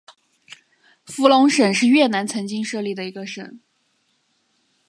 福隆省是越南曾经设立的一个省。